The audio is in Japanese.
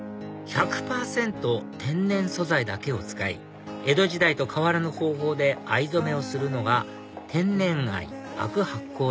天然素材だけを使い江戸時代と変わらぬ方法で藍染めをするのが天然藍灰汁醗酵